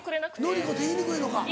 ノリコって言いにくいのか。